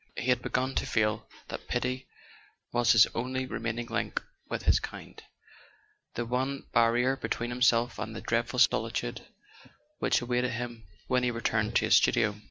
He had begun to feel that pity was his only remaining link with his kind, the one bar¬ rier between himself and the dreadful solitude which awaited him when he returned to his studio.